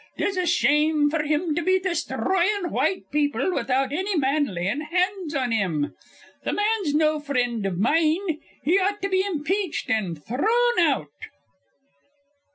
'Tis a shame f'r him to be desthroyin' white people without anny man layin' hands on him. Th' man's no frind iv mine. He ought to be impeached an' thrun out."